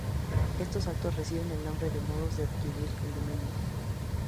Estos actos reciben el nombre de modos de adquirir el dominio.